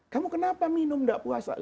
kamu kenapa minum tidak puasa